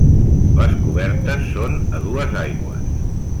Les cobertes són a dues aigües.